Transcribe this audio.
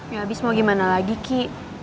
ya abis mau gimana lagi ki